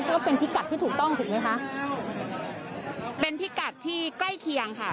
ก็เป็นพิกัดที่ถูกต้องถูกไหมคะเป็นพิกัดที่ใกล้เคียงค่ะ